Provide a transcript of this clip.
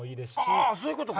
あぁそういうことか！